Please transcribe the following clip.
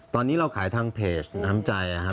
ตอนนี้เราขายทางเพจน้ำใจ